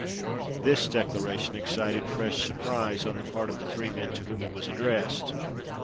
This declaration excited fresh surprise on the part of the three men to whom it was addressed.